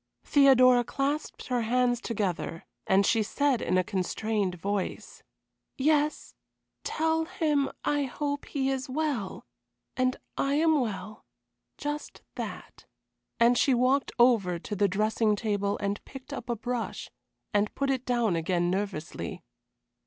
Theodora clasped her hands together, and she said in a constrained voice: "Yes. Tell him I hope he is well and I am well just that," and she walked ever to the dressing table and picked up a brush, and put it down again nervously.